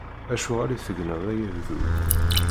Acuɣeṛ i tegneḍ ay agdud?